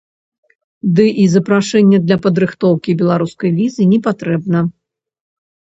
Ды і запрашэнне для падрыхтоўкі беларускай візы не патрэбна.